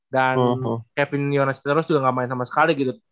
dan kevin yonasiteros juga gak main sama sekali gitu